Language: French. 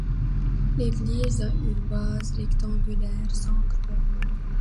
L'église a une base rectangulaire, sans croix.